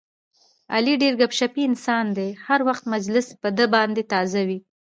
علي ډېر ګپ شپي انسان دی، هر وخت مجلس په ده باندې تازه وي.